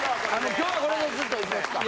今日はこれでずっといきますか。